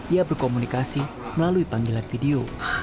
ia berkomunikasi melalui panggilan video